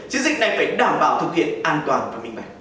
chiến dịch này phải đảm bảo thực hiện an toàn và minh bạch